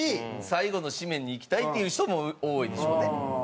最後の締めに行きたいっていう人も多いでしょうね。